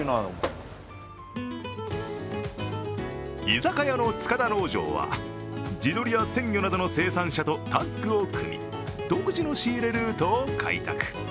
居酒屋の塚田農場は地鶏や鮮魚などの生産者とタッグを組み、独自の仕入れルートを開拓。